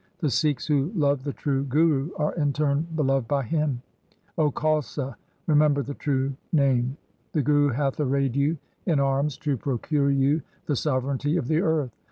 The Sikhs who love the true Guru are in turn beloved by him. O Khalsa, remember the true Name. The Guru hath arrayed you in arms to procure you the sovereignty of the earth.